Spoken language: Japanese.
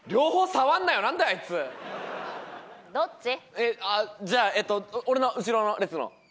えっああじゃあえっと俺の後ろの列の子。